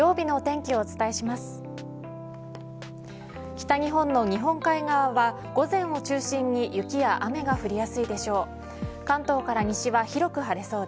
北日本の日本海側は午前を中心に雪や雨が降りやすいでしょう。